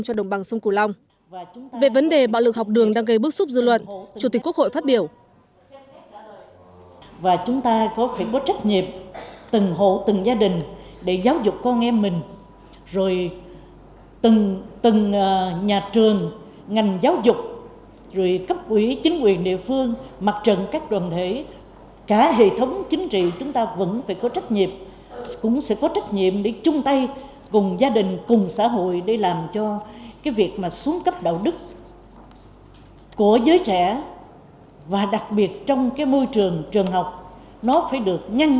cho đồng bằng sông củ long về vấn đề bạo lực học đường đang gây bước xúc dư luận chủ tịch quốc hội phát biểu